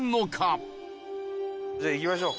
伊達：じゃあ、行きましょう。